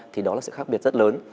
thì đó là sự khác biệt rất lớn